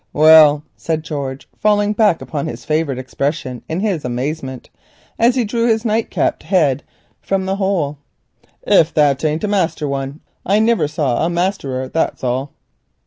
"Well," said George, falling back upon his favourite expression in his amazement, as he drew his nightcapped head from the hole, "if that ain't a master one, I niver saw a masterer, that's all.